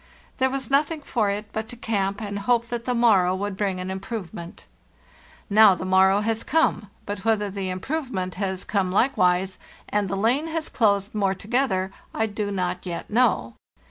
There was nothing for it but to camp, and hope that the morrow would bring an improvement. BY SLEDGE AND KAYAK tN Now the morrow has come, but whether the improve ment has come likewise, and the lane has closed more to gether, I do not yet know.